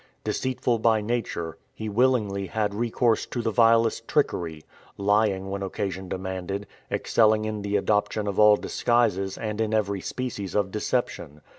Deceitful by nature, he willingly had recourse to the vilest trickery; lying when occasion demanded, excelling in the adoption of all disguises and in every species of deception.